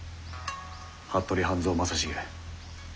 服部半蔵正成。